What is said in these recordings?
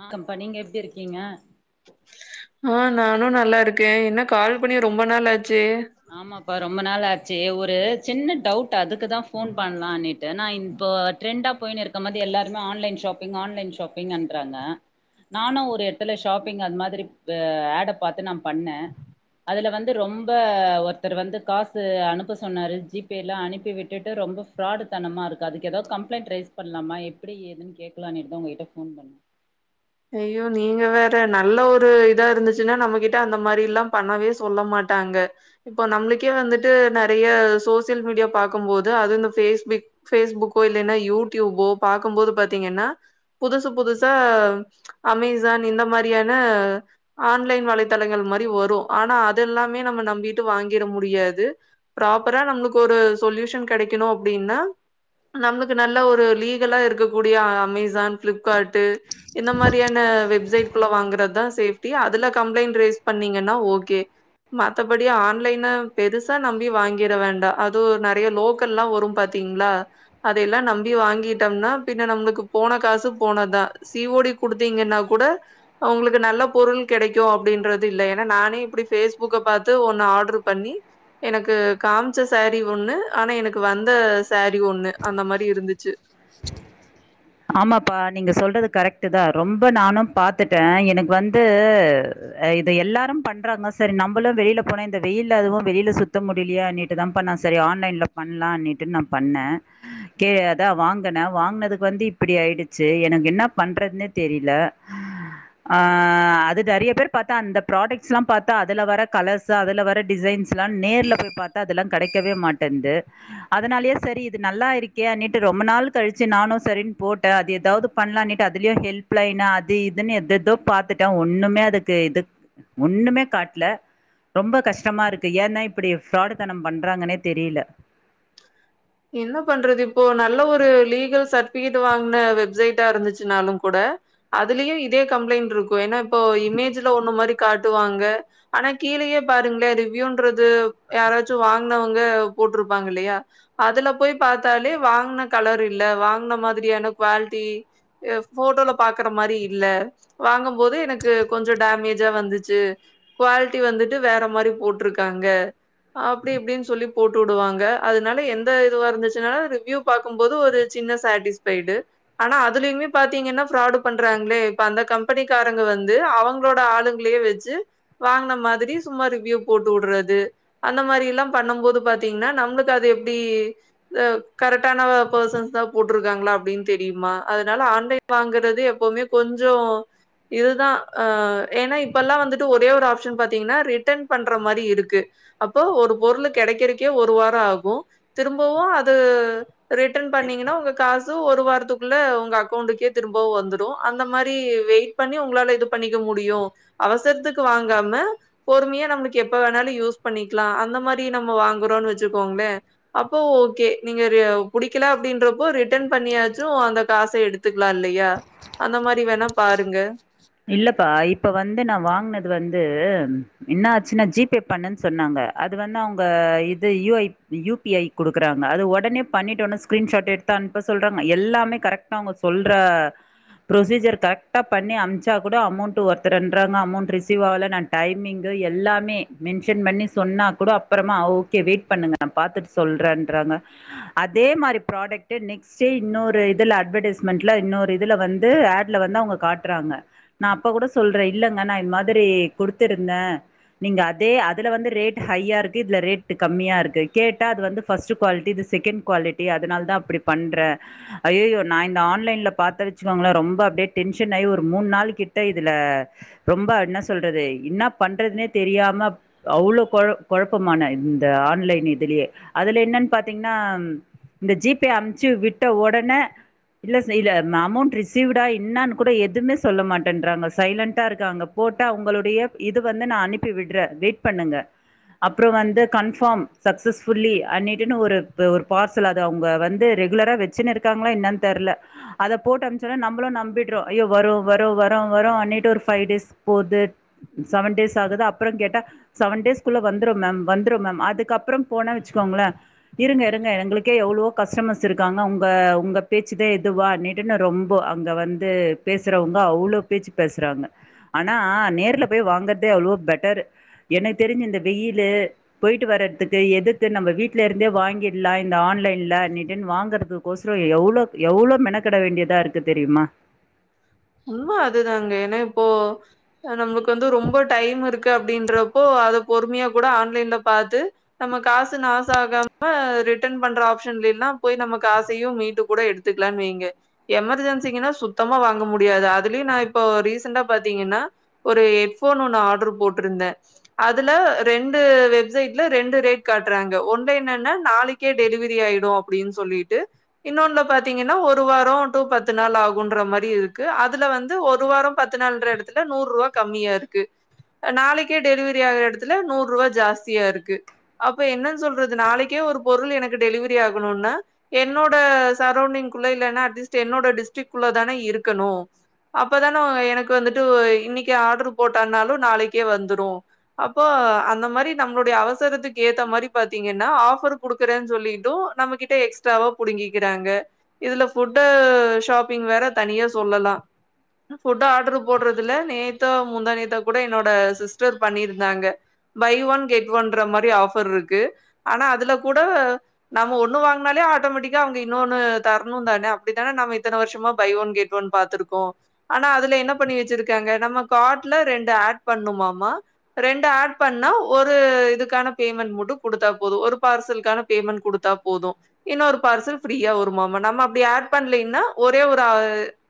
ஆ கம்ப்பா நீங்க எப்டி இருக்கீங்க ஆ நானு நல்லா இருக்கே என்ன கால் பண்ணி ரொம்ப நாளாச்சு ஆமாப்பா ரொம்ப நாள் ஆச்சு ஒரு சின்ன டவுட்டு அதுக்கு தா ஃபோன் பண்லானிட்டு நான் இன்ப்ப ட்ரெண்டா போயின்னு இருக்க மாதி எல்லாருமே ஆன்லைன் ஷாப்பிங் ஆன்லைன் ஷாப்பிங்கென்றாங்க நானு ஒரு எடத்துல ஷாப்பிங் அந்த மாதிரி வ ஆட பாத்து நா பண்ணே அதுல வந்து ரொம்ப ஒருத்தர் வந்து காசு அனுப்ப சொன்னாரு ஜி பே ல அனுப்பி விட்டுட்டு ரொம்ப ஃப்ராடு தனமா இருக்கு அதுக்கு எதாவ்து கம்ப்ளைண்ட் ரைஸ் பண்லாமா எப்டி ஏதுன் கேக்லானிட்டு தா உங்கக்கிட்ட ஃபோன் பண்ணே ஐயோ நீங்க வேற நல்ல ஒரு இதா இருந்துச்சுனா நம்மகிட்ட அந்த மாரியெல்லா பண்ணவே சொல்ல மாட் டாங்க இப்போ நம்மளுக்கே வந்துட்டு நெறைய சோசியல் மீடியா பாக்கும்போது அது இந்த ஃபேஸ்பிக் ஃபேஸ்புக்கோ இல்லைனா யூடியூப்போ பாக்கும்போது பாத்தீங்கனா புதுசு புதுசா அமேசான் இந்த மாரியான ஆன்லைன் வலைத்தளங்கள் மாரி வரு ஆனா அதெல்லாமே நம்ம நம்பிட்டு வாங்கிட முடியாது ப்ராப்பரா நம்மளுக்கு ஒரு சொல்யூஷன் கெடைக்கணு அப்டின்னா நம்மளுக்கு நல்ல ஒரு லீகலா இருக்கக் கூடிய அமேசான் ஃபிளிப்கார்ட்டு இந்த மாரியான வெப்சைட்க்குள்ள வாங்குறதுதா சேஃப்டி அதுல கம்ப்ளைண்ட் ரைஸ் பண்ணீங்கனா ஓகே மத்தபடி ஆன்லைன பெருசா நம்பி வாங்கிற வேண்டா அது நெறையா லோக்கல்லா வரும் பாத் திங்ளா அதெல்லா நம்பி வாங்கிட்டம்னா பின்ன நம்மளுக்கு போன காசு போனது தா தி ஓ டி குடுத்தீங்கன்னா கூட ஒங்களுக்கு நல்ல பொருள் கெடைக்கு அப்டின்றது இல்ல ஏனா நானே இப்டி ஃபேஸ்புக்க பாத்து ஒன்னு ஆர்ட்ரு பண்ணி எனக்கு காமிச்ச சாரீ ஒன்னு ஆனா எனக்கு வந்த சாரீ ஒன்னு அந்த மாரி இருந்துச்சு ச [inaudible] ஆமாப்பா நீங்க சொல்றது கரெக்டு தா ரொம்ப நானும் பாத்துட்டே எனக்கு வந்து இத எல்லாரும் பண்றாங்க சரி நம்மளும் வெளில போன இந்த வெயில்ல அதுவும் வெளில சுத்த முடியலையா அப்டிதாம்ப்பா சரி ஆன்லைன்ல பண்ணலானிட்டு நா பண்ணே கே அத்தா வாங் அத்தா நா வாங்கனதுக்கு வந்து இப்படி ஆயிடுச்சு எனக்கு என்ன பண்றதுன்னே தெரில ஆ அது நிறைய பேர் பாத்தா அந்த ப்ராடக்ட்ஸ் எல்லா பாத்தா அதுல வர கலர்ஸ் சு அதுல வர டிசைன்ஸ் எல்லா நேர்ல போய் பாத்தா அதெல்லா கிடைக்கவே மாட்டேன்து அதனாலயே சரி இது நல்லா இருக்கே அன்னிட்டு ரொம்ப நாள் கழிச்சு நானும் சரின்னு போட்டே அது ஏதாவது பண்ணலானிட்டு அதுலையு ஹெல்ப் லைன் அது இதுன்னு எதேதோ பாத் துட்டே ஒன்னுமே அதுக்கு இது ஒன்னுமே காட்ல ரொம்ப கஷ்டமா இருக்கு ஏந்தா இப்படி ஃப்ராடு தனம் பண்றாங்கன்னே தெரியல என்ன பண்றது இப்போ நல்ல ஒரு லீகல் சர்ட்டிஃபிகேட் வாங்ன வெப்சைட்டா இருந்துச்சுனாலும் கூட அதுலயு இதே கம்ப்ளைண்ட் இருக்கும் ஏன்னா இப்போ இமேஜ்ல ஒன்னு மாறி காட்டுவாங்க ஆனா கீழயே பாருங்களே ரிவ்யூன்றது யாராச்சும் வாங்னவங்க போட்ருப்பாங்க இல்லையா அதுல போய் பாத்தாலே வாங்குன கலர் இல்ல வாங்குன மாதிரியான குவாலிட்டி எப் ஃபோட்டோல பாக்குற மாறி இல்ல வாங்கும் போது எனக்கு கொஞ்சோ டேமேஜா வந்துச்சு குவாலிட்டி வந்துட்டு வேற மாறி போட்ருக்காங்க அப்படி இப்படின்னு சொல்லி போட்டு வுடுவாங்க அதனால எந் த எதுவா இருந்துச்சுனாலு ரிவ்யூ பாக்கும்போது ஒரு சின்ன சாட்டிஸ்ஃபைடு ஆனா அதுலயுமே பாத்தீங்கன்னா ஃப்ராடு பண்றாங்களே இப்ப அந்த கம்பெனிக்காரங்க வந்து அவங்களோட ஆளுங் களயே வச்சு வாங்குன மாதிரி சும்மா ரிவ்யூ போட்டுவுட்றது அந்த மாறி எல்லா பண்ணும் போது பாத்தீங்கன்னா நம்ளுக்கு அது எப்டி இது கரெக்டான பர்சன்ஸ் தா போட்ருக்காங்ளா அப்படின்னு தெரியுமா அதனால ஆன்லைன் வாங்குறதே எப்பவுமே கொஞ்சோ இதுதா அ ஏன்னா இப்ப எல்லா வந்துட்டு ஒரே ஒரு ஆப்ஷன் பாத்தீங்கன்னா ரிட்டர்ன் பண்ற மாறி இருக்கு அப்போ ஒரு பொருள் கிடைக்கறக்கே ஒரு வாரம் ஆகும் திரும்பவு அது ரிட்டன் பண்ணீங்கன்னா உங்க காசு ஒரு வாரத்துக்குள்ள உங்க அக்கௌண்ட்டுக்கே திரும்பவு வந்துரும் அந்த மாறி வெயிட் பண்ணி உங்களால இது பண்ணிக்க முடியும் அவசரத்துக்கு வாங்காம பொறுமையா நம்மளுக்கு எப்ப வேணாலு யூஸ் பண்ணிக்கலா அந்த மாறி நம்ப வாங்குறோன்னு வச்சிக்கோங்ளே அப்போ ஓக்கே நீங்க ரெ புடிக்கல அப்படின்றப்போ ரிட்டன் பண்ணியாச்சும் அந்த காச எடுத்துக்கலா இல்லையா அந்த மாறி வேணா பாருங்க இல்லப்பா இப்ப வந்து நா வாங்னது வந்து என்னா ஆச்சுன்னா ஜிப்பே பண்ணன்னு சொன்னாங்க அது வந்து அவங்க இது U I U P I குடுக்கறாங்க அது உடனே பண்ணிட்டோன்னா ஸ்கிரீன் ஷாட் எடுத்து அனுப்ப சொல்றாங்க எல்லாமே கரெக்ட் அவங்க சொல்ற புரொசீஜர் கரெக்டா பண்ணி அம்ச் சாக் கூட அமௌண்ட் ஒருத்தர்ன்றாங்க அமௌண்ட் ரிசீவ் ஆவல நா டைமிங்கு எல்லாமே மென்ஷன் பண்ணி சொன்னா கூட அப்றமா ஓக்கே வெயிட் பண்ணுங்க நா பாத்துட்டு சொல்றேன்றாங்க அதே மாறி ப்ராடக்ட் நெக்ஸ் ஸ்டே இன்னொரு இதுல அட்வர்டைஸ்மெண்ட்ல இன்னொரு இதுல வந்து ஹேட்ல வந்து அவுங்க காட்றாங்க நா அப்ப கூட சொல்றே இல்லங்க நா இந்த மாதிரி குடுத்துருந்த நீங்க அதே அதுல வந்து ரேட் ஹையா இருக்கு இதுல ரேட் கம்மியா இருக்கு கேட்டா அது வந்து ஃபர்ஸ்ட்டு குவாலிட்டி இது செகண்ட் குவாலிட்டி அதுனால தா அப்டி பண்றே ஐய்யய்யோ நா இந்த ஆன்லைன்ல பாத்த வச்சுக்கோங்ளே ரொம்ப அப்டியே டென்ஷன் ஆயி ஒரு மூன் நாள் கிட்ட இதுல ரொம்ப என்ன சொல்றது என்னாப் பண்றதுன்னே தெரியாமப் அவ்வளவு குழப் குழப்பமான இந்த ஆன்லைன் இதுலயே அதுல என்னன்னு பாத்தீங்கன்னா இந்த ஜி பே அமுச்சு விட்ட உடனே இல்ல செய்ல அமௌண்ட் ரிசீவ்டா என்னான்னு கூட எதுவுமே சொல்ல மாட்ட ன்றாங்க சைலன்டா இருக்காங்க போட்ட அவங்களுடைய இது வந்து நான் அனுப்பி விடுறன் வெயிட் பண்ணுங்க அப்புறம் வந்து கன்பார்ம் சக்சஸ் ஃபுல்லி அன்னிட்டுனு ஒரு ஒரு பார்ஸ் அது அவங்க வந்து ரெகுலரா வெச்சுன்னு இருக்காங்களா என்னன்னு தெர்ல அத போட்டு அம்ச உடனே நம்மளும் நம்பிடுரோம் ஐயோ வரு வரு வரும்னு அப்புறம் வரும் அன்னிட்டு ஒரு ஃபைவ் டேஸ் போகுது செவன் டேஸ் ஆகுது அப்புறம் கேட்டா செவன் டேஸ்க்குள்ள வந்துரும் மேம் வந்துரும் மேம் அதுக்கு அப்புறம் போனா வெச்சுக்கோங்களேன் இருங்க இருங்க எங்களுக்கே எவ்வளவோ கஸ்டமர்ஸ் இருக்காங்க உங்க உங்க பேச்சுதான் இதுவா நெ ட்டுனு கரொம்ப அங்க வந்து பேசுறவங்க அவ்வளோ பேச்சு பேசுறாங்க ஆனா நேர்ல போய் வாங்குறதே அவ்ளோ பெட்டர் எனக்கு தெரிஞ்சு இந்த வெயிலு போயிட்டு வர்றதுக்கு எதுக்கு நம்ம வீட்டுல இருந்தே வாங்கிடலாம் இந்த ஆன்லைன்ல அண்ணிட்டுன்னு வாங்கறது கோசரம் எவ்வளவு எவ்வளோ மெனக்கெட வேண்டியதா இருக்கு தெரியுமா உண்மா அதுதாங்க ஏன்னா இப்போ நம்மளுக்கு வந்து ரொம்ப டைம் இருக்கு அப்படின்றப்போ அத பொறுமையா கூட ஆன்லைன்ல பாத்து நம்ம காசு நாசக்காக ரிட்டன் பண்ற ஆப்ஷன்லல்லாம் போய் நம்ம காசையும் மீட்டு கூட எடுத்து இருக்கலான்னு வெங்க எமர்ஜென்சிக்குனா சுத்தமா வாங்க முடி முடியாது அதுலயும் நான் இப்போ ரீசண்டா பாத்தீங்கன்னா ஒரு ஹெட்போன் ஒண்ணு ஆர்டரு போட்டிருந்தேன் அதுல ரெண்டு வெப்சைட்ல ரெண்டு ரேட் காட்டுறாங்க ஒன்ன என்னன்னா நாளைக்கு நாளைக்கே டெலிவரி ஆயிடும் அப்படின்னு சொல்லிட்டு இன்னொன்னுல பாத்தீங்கன்னா ஒரு வாரம் டூ பத்து நாள் ஆகுன்ற மாறி இருக்கு இருக்கு அதுல வந்து ஒரு வாரம் பத்து நாள்ன்ற இடத்துல நூறு ரூவா கம்மியா இருக்கு நாளைக்கே டெலிவரி ஆகுற இடத்துல நூறு ரூவா ஜாஸ்தியா இருக்கு அப்ப என்னன்னு சொல்றது நாளைக்கே ஒரு பொருள் எனக்கு டெலிவரி ஆகணும்னா என்னோட சரௌண்டிங்குள்ள இல்லன்னா அட்லீஸ்ட் என்னோட டிஸ்டரிக்குள்ள தானே இருக்கணும் அப்பதானே எனக்கு வந்துட்டு இன்னைக்கு ஆர்டரு போட்டான்னாலும் நாளைக்கே வந்துரும் அப்போ அந்த மாரி நம்மளுடைய அவசரத்துக்கு ஏத்த மாரி பாத்தீங்கன்னா ஆஃபர் குடுக்கறன்னு சொல்லிட்டும் நம்மக்கிட்ட எக்ஸ்ட்ராவா புடுங்கிக்கிறாங்க இதுல ஃபுட்டு ஷாப்பிங் வேற தனியா சொல்லலா ஃபுட்ட ஆர்டரு போடுறதுல நேத்தோ முந்தா நேத்தோ கூட என்னோட சிஸ்டர் பண்ணியிருந்தாங்க பை ஒன் கெட் ஒன்ற மாரி ஆஃபர் இருக்கு ஆனா அதுல கூட நம்ம ஒண்ணு வாங்குனாலே ஆட்டோமெட்டிக்கா அவங்க இன்னொனு தர்ணும் தான அப்டித்தான நம்ம இத்தன வர்ஷமா பை ஒன் கெட் ஒன் பாத்துருக்கோ ஆனா அதுல என்ன பண்ணி வச்சிருக்காங்க நம்ம கார்ட்ல ரெண்டு ஆட் பண்ணுமாமா ரெண்டு ஆட் பண்ணா ஒரு இதுக்கான பேமெண்ட் மட்டு குடுத்தா போதும் ஒரு பார்சலுக்கான பேமெண்ட் குடுத்தா போதும் இன்னோரு பார்சல் ஃப்ரீயா வருமாமாம் நம்ம அப்டி ஆட் பண்ணலின்னா ஒரே ஒரு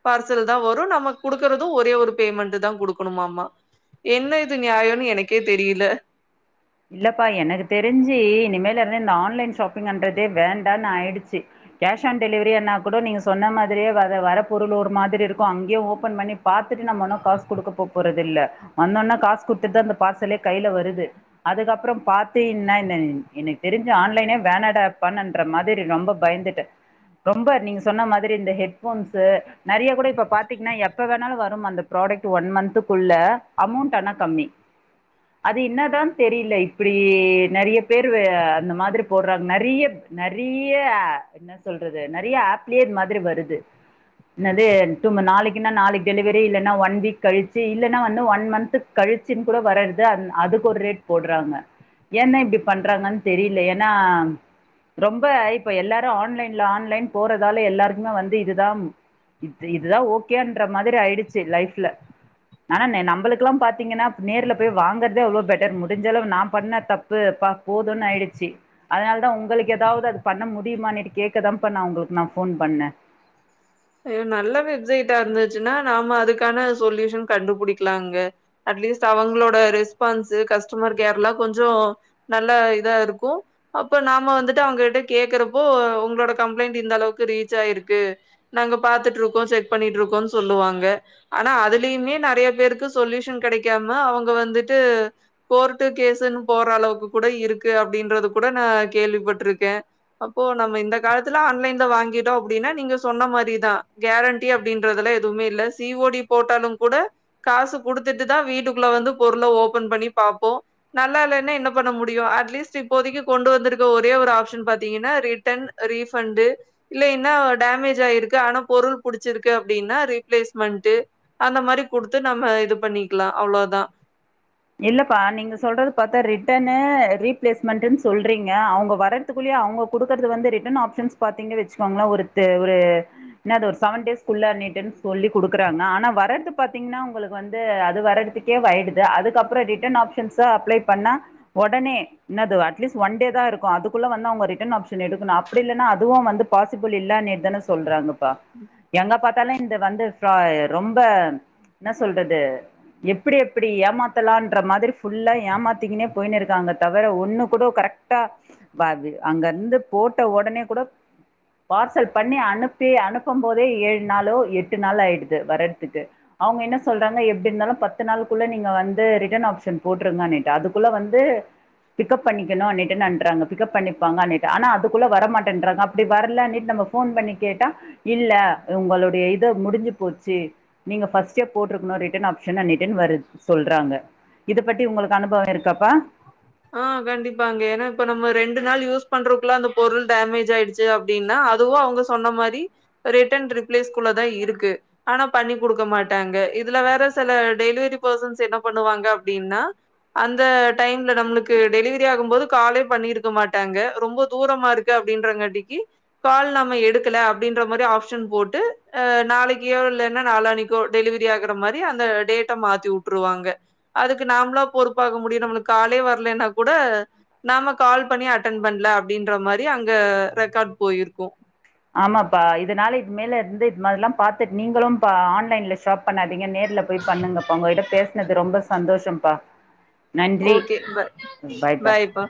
பார்சல் தான் வரும் நம்ம குடுக்குறதும் ஒரே ஒரு பேமெண்ட்டு தா குடுக்கணுமாமா என்ன இது நியாயம்னு எனக்கே தெரியில இல்லப்பா எனக்கு தெரிஞ்சி இனிமேல இருந்தே இந்த ஆன்லைன் ஷாப்பிங்ன்றதே வேண்டாம்னு ஆயிடுச்சி கேஷ் ஆன் டெலிவரி என்னா கூட நீங்க சொன்ன மாதிரியே வர வர பொருள் ஒரு மாதிரி இருக்கும் அங்கேயே ஓபன் பண்ணி பாத்துட்டு நம்ம ஒன்னும் காசு குடுக்க போ போறதுல்ல வந்தொன்ன காசு குடுத்துட்டுதா அந்த பார்சலே கைல வருது அதுக்கப்புறோ பாத்தீன்னா என்ன எனக்கு தெரிஞ்சு ஆன்லைனே வேணாடாப்பான்ற மாதிரி ரொம்ப பயந்துட்ட ரொம்ப நீங்க சொன்ன மாதிரி இந்த ஹெட் ஃபோன்ஸ்ஸு நறைய கூட இப்ப பாத்தீங்கன்னா எப்ப வேணாலு வரும் அந்த ப்ராடக்ட் ஒன் மந்த்துகுள்ள அமௌண்ட் ஆனா கம்மி அது இன்னாதா தெரில இப்டி நெறைய பேரு அந்த மாரி போட்றாங்க நெறையப் நெறைய என்ன சொல்றது நெறைய ஆப்லே இந்த மாதிரி வருது என்னது டூ ம நாளைக்குன்னா நாளைக் டெலிவரி இல்லன்னா ஒன் வீக் கழிச்சு இல்லன்னா வந்து ஒன் மந்த்து கழிச்சின் கூட வரர்து அந் அதுக்கு ஒரு ரேட் போட்றாங்க ஏந்தா இப்டி பண்றாங்கன் தெரில ஏனா ரொம்ப இப்ப எல்லாரு ஆன்லைன்ல ஆன்லைன் போறதால எல்லாருக்குமே வந்து இதுதா இது இதுதா ஓகேன்ற மாதிரி ஆயிடுச்சு லைஃப்ல ஆனானே நம்ளுக்குல்லா பாத்தீங்கன்னா நேர்ல போய் வாங்குறதே எவ்ளோ பெட்டர் மு முடிஞ்சளவு நா பண்ண தப்பு அப்பா போதுன்னு ஆயிடுச்சு அதனால் தா உங்களுக் ஏதாவது அது பண்ண முடியமான்னுட்டு கேக்கதான்ப்பா நா உங்களுக்கு நா போன் பண்ணே ஐயோ நல்ல வெப்சைட்டா இருந்துச்சுன்னா நாம அதுக்கான சொல்யூஷன் கண்டுபிடிக்கலாங்க அட்லீஸ்ட் அவங்களோட ரெஸ்பான்ஸூ கஸ்டமர் கேர்லா கொஞ்சோ நல்ல இதா இருக்கு அப்போ நாம வந்துட்டு அவங்ககிட்ட கேக்குறப்போ உங்களோட கம்ப்ளைண்ட் இந்த அளவுக்கு ரீச் ஆயிருக்கு நாங்க பாத்துட்ருக்கோ செக் பண்ணிட்ருக்கோன் சொல்லுவாங்க ஆனா அதுலயுமே நெறய பேருக்கு சொல்யூஷன் கெடைக்காம அவங்க வந்துட்டு கோர்ட்டு கேசுன்னு போற அளவுக்கு கூட இருக்கு அப்டின்றது கூட நா கேள்விபட்ருக்கே அப்போ நம்ம இந்த காலத்துல ஆன்லைன்ல வாங்கிட்டோ அப்டின்னா நீங்க சொன்ன மாரி அப்டிதா கேரண்டி அப்டின்றதெல்லா எதுவுமே இல்ல சி ஓ டி போட்டாலும் கூட காசு குடுத்துட்டு தா வீட்டுக்குள்ள வந்து பொருள ஓபன் பண்ணி பாப்போ நல்லா இல்லைன்னா என்ன பண்ண முடியு அட்லீஸ்ட் இப்போதைக்கு கொண்டு வந்திருக்க ஒரே ஒரு ஆப்ஷன் பாத்தீங்கன்னா ரிட்டர்ன் ரீஃபண்டு இல்லைன்னா டேமேஜ் ஆயிருக் ஆனா பொருள் புடிச்சிருக்கு அப்டின்னா ரீப்ளேஸ்மெண்டு அந்த மாரி குடுத்து நம்ம இது பண்ணிக்லா அவ்ளோதா இல்லப்பா நீங்க சொல்றது பாத்தா ரிட்டனு ரீப்ளேஸ்மெண்டுன் சொல்றீங்க அவங்க வர துக்குள்யே அவங்க குடுக்கறது வந்து ரிட்டர்ன் ஆப்ஷன்ஸ் பாத்தீங்க வச்சக்கோங்கள ஒரு தே ஒரு என்னது ஒரு செவன் டேஸ்குள்ளன்னுட்டு சொல்லி குடுக்குறாங்க ஆனா வரது பாத்தீங்கன்னா உங்களுக்கு வந்து அது வரறதுக்கு [unintelligible] அப்றோ ரிட்டர்ன் ஆப்ஷன்ஸ் அப்ளே பண்ணா ஒடனே என்னது அட்லீஸ்ட் ஒன் டே தா இருக்கு அதுக்குள்ள வந்து அவங்க ரிட்டர்ன் ஆப்ஷன் எடுக்கணு அப்டி இல்லன்னா அதுவு வந்து பாசிபிள் இல்லான்னிட்டு தானே சொல்கிறாங்கப்பா ம் எங்க பாத்தாலும் இந்த வந்து ரொம்ப என்ன சொல்றது எப்டி எப்டி ஏமாத் லான்ற மாதிரி ஃபுல்லா ஏமாத்தங்கனே போயனு இருக்காங்க தவிர ஒண்ணு கூட கரெக்டா பாது அங்க இருந்து போட்ட உடனே கூட பார்சல் பண்ணி அனுப்பி அனுப்பும் போதே ஏழு நாளோ எட்டு நாள் ஆயிடுது வர்ரதுக்கு அவங்க என்ன சொல்றாங்க எப்படி இருந்தாலும் பத்து நாள்ளுக்குள்ள நீங்க வந்து ரிட்டர்ன் ஆப்ஷன் போட்டிருங்க அதுக்குள்ள வந்து பிக்கப் பண்ணிக்கணும் அனுட்டு நன்ட்டுறாங்க பிக்கப் பண்ணப்பாங்கட்டு ஆனா அதுக்குள்ள வர மாட்டேன்றாங்க அப்படி வரலன்னிட்டு நம்ம ஃபோன் பண்ணி கேட்டா இல்ல உங்களுடைய இதை முடிஞ்சு போச்சு நீங்க ஃபர்ஸ்டே போட்டுக்கணும் ரிட்டர்ன் ஆப்ஷன் ந டன் வருது சொல்றாங்க இத பத்தி உங்களுக்கு அனுபவம் இருக்கப்பா ஆ கண்டிப்பாங்க ஏன்னா இப்ப நம்ம ரெண்டு நாள் யூஸ் பண்றக்குள்ள அந்த பொருள் டேமேஜ் ஆயிடுச்சு அப்படின்னா அதுவும் அவங்க சொன்ன மாதிரி ரிட்டர்ன் ரிப்ளேஸ் குள்ள தான் இருக்கு ஆனா பண்ணி குடுக்க மாட்டாங்க இதுல வேற சில டெலிவரி பெர்சன்ஸ் என்ன பண்ணுவாங்க அப்படின்னா அந்த டைம் இ நம்மளுக்கு டெலிவரி ஆகும் போது காலே பண்ணிருக்க மாட்டாங்க ரொம்ப தூரமா இருக்கு அப்படின்றங்காட்டிக்கு கால் நம்ம எடுக்கல அப்டின்ற மாரி ஆப்ஷன் போட்டு அ நாளைக்கியோ இல்லைனா நாலான்னைக் கோ டெலிவரி ஆகற மாரி அந்த டேட்ட மாத்தி உட்ருவாங்க அதுக்கு நாமளா பொறுப்பாக முடியு நம்மளுக் காலே வர்லேனா கூட நாம கால் பண்ணி அட்டன பண்ல அப்டின்ற மாரி அங்க ரெக்கார்ட் போயிருக்கு ஆமாப்பா இதனால இது மேல இருந்து இது மாரிலா பாத்துட்டு நீங்களு இப்ப ஆன்லைன்ல ஸ் ஷாப் பண்ணாதீங்க நேர்ல போய் பண்ணுங்கப்பா உங்ககிட்ட பேசுனது ரொம்ப சந்தோஷம்ப்பா நன்றி. Okay bye பாய்ப்பா